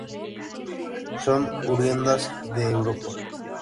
Son oriundas de Europa.